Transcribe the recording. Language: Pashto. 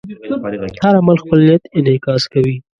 هر عمل خپل نیت انعکاس کوي.